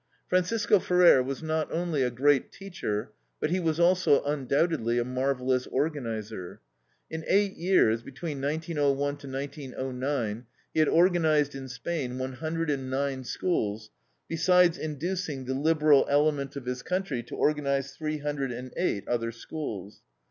Francisco Ferrer was not only a great teacher, but he was also undoubtedly a marvelous organizer. In eight years, between 1901 1909, he had organized in Spain one hundred and nine schools, besides inducing the liberal element of his country to organize three hundred and eight other schools.